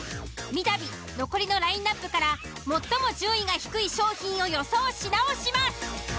三度残りのラインアップから最も順位が低い商品を予想し直します。